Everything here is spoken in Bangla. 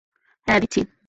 হ্যাঁ, দিচ্ছি!